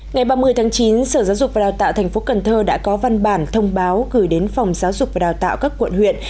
ngày ba mươi tháng chín sở giáo dục và đào tạo tp cn đã có văn bản thông báo gửi đến phòng giáo dục và đào tạo các quận huyện